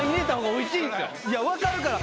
いや分かるから！